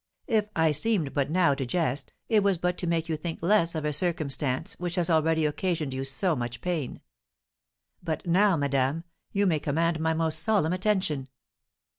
If I seemed but now to jest, it was but to make you think less of a circumstance which has already occasioned you so much pain. But now, madame, you may command my most solemn attention.